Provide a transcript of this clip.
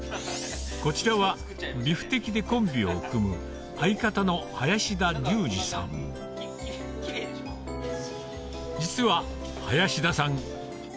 こちらはビフテキでコンビを組む実は林田さん